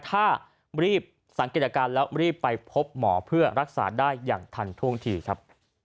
ถ้ารีบสังเกตอาการแล้วรีบไปพบหมอเพื่อรักษาได้อย่างทันท่วงทีครับ